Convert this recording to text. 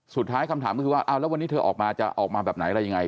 คำถามก็คือว่าเอาแล้ววันนี้เธอออกมาจะออกมาแบบไหนอะไรยังไง